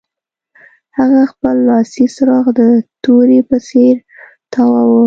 هغه خپل لاسي څراغ د تورې په څیر تاواوه